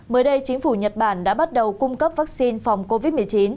mới đây chính phủ nhật bản đã bắt đầu cung cấp vaccine phòng covid một mươi chín